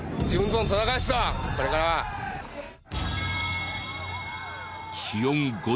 これからは。